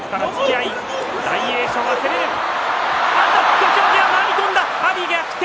土俵際、回り込んだ阿炎、逆転。